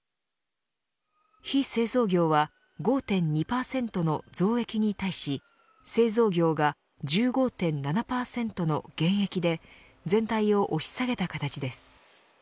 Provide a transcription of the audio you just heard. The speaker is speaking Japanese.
非製造業は５．２％の増益に対し製造業が１５．７％の減益で全体を押し下げた形です。